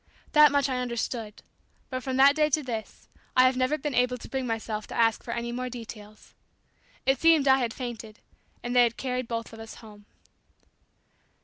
That much I understood; but from that day to this, I have never been able to bring myself to ask for any more details. It seems I had fainted, and they carried us both home.